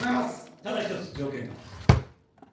ただ１つ条件がある。